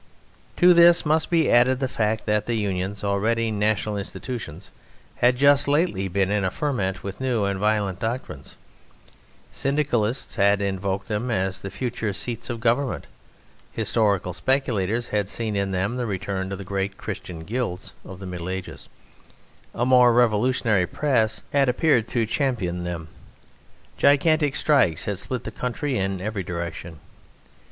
To this must be added the fact that the Unions, already national institutions, had just lately been in a ferment with new and violent doctrines: Syndicalists had invoked them as the future seats of government; historical speculators had seen in them the return to the great Christian Guilds of the Middle Ages; a more revolutionary Press had appeared to champion them; gigantic strikes had split the country in every direction.